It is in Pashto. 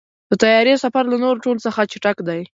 د طیارې سفر له نورو ټولو څخه چټک دی.